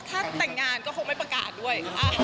ถ้าแต่งงานก็คงไม่ประกาศด้วย